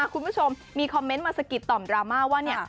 คุณผู้ชมมีคอมเมนต์มาสะกิดต่อมดราม่าว่าเนี่ย